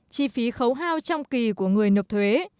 chi phí khấu hao trong kỳ của người nộp thuế